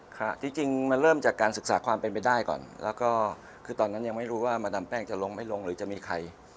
ค่ะจริงมันเริ่มจากการศึกษาความเป็นไปได้ก่อนแล้วก็คือตอนนั้นยังไม่รู้ว่ามาดามแป้งจะลงไม่ลงหรือจะมีใคร